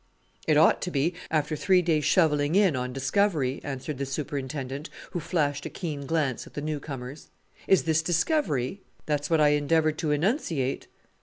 "It ought to be, after three days' shovelling in on discovery," answered the superintendent, who flashed a keen glance at the new comers. "Is this discovery?" "That's what I endeavoured to enunciate."